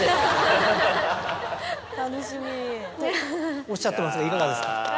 とおっしゃってますがいかがですか？